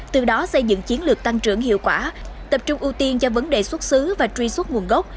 từ đó xây dựng chiến lược tăng trưởng hiệu quả tập trung ưu tiên cho vấn đề xuất xứ và truy xuất nguồn gốc